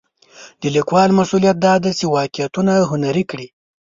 د لیکوال مسوولیت دا دی چې واقعیتونه هنري کړي.